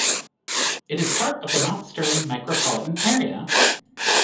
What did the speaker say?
It is part of the Mount Sterling micropolitan area.